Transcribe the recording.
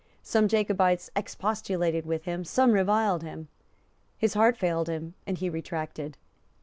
Some Jacobites expostulated with him; some reviled him; his heart failed him; and he retracted.